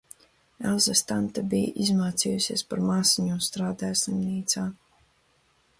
Elzas tante bija izmācījusies par māsiņu un strādāja slimnīcā.